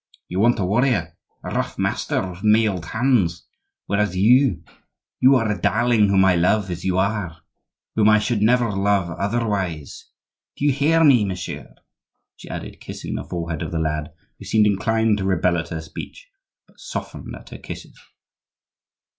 You want a warrior, a rough master with mailed hands; whereas you—you are a darling whom I love as you are; whom I should never love otherwise,—do you hear me, monsieur?" she added, kissing the forehead of the lad, who seemed inclined to rebel at her speech, but softened at her kisses.